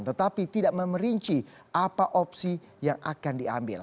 tetapi tidak memerinci apa opsi yang akan diambil